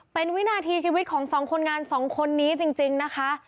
เป็นวินาทีชีวิตของสองคนงานสองคนนี้จริงนะคะ